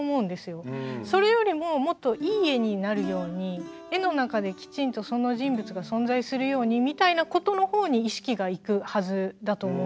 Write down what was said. それよりももっといい絵になるように絵の中できちんとその人物が存在するようにみたいなことの方に意識がいくはずだと思うんですけど。